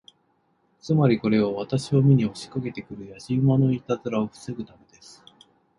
つまり、これは私を見に押しかけて来るやじ馬のいたずらを防ぐためです。